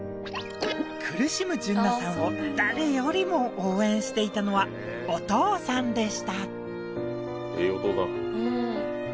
苦しむ純菜さんを誰よりも応援していたのはお父さんでしたうん